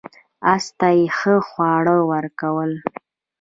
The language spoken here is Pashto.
اس ته یې ښه خواړه ورکول.